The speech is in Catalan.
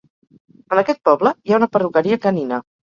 En aquest poble hi ha una perruqueria canina.